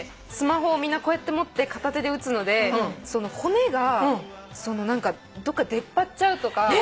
スマホをみんなこうやって持って片手で打つので骨がどっか出っ張っちゃうとか。